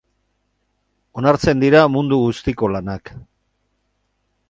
Onartzen dira mundu guztiko lanak.